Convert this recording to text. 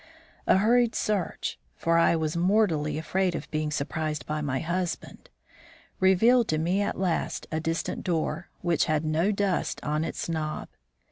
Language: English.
A hurried search (for I was mortally afraid of being surprised by my husband,) revealed to me at last a distant door, which had no dust on its knob.